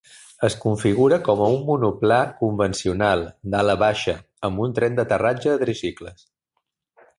Es configura com a un monoplà convencional, d'ala baixa, amb un tren d'aterratge de tricicles.